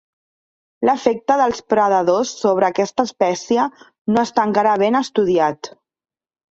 L'efecte dels predadors sobre aquesta espècie no està encara ben estudiat.